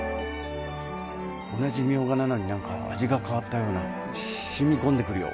同じミョウガなのに何か味が変わったような染み込んでくるよ